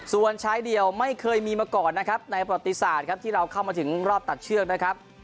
ส่วนชายเดียวไม่เคยมีมาก่อนนะครับในประติศาสตร์ครับที่เราเข้ามาถึงรอบตัดเชือกนะครับ